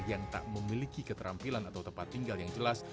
yang tak memiliki keterampilan atau tempat tinggal yang jelas